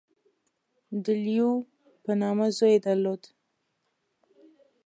• د لیو په نامه زوی یې درلود.